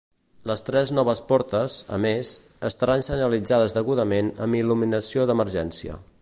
Les tres noves portes, a més, estaran senyalitzades degudament amb il·luminació d’emergència.